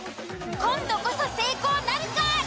今度こそ成功なるか！？